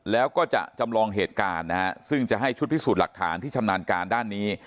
แล้วก็จะจำลองเหตุการณ์นะฮะซึ่งจะให้ชุดพิสูจน์หลักฐานที่ชำนาญการด้านนี้